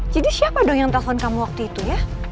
jadi siapa dong yang telepon kamu waktu itu ya